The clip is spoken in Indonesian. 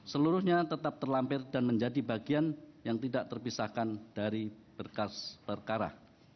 seluruhnya tetap terlampir dan menjadi bagian yang tidak terpisahkan dari berkas perkara